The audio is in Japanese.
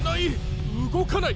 動かない。